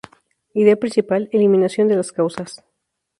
Idea principal: Eliminación de las causas.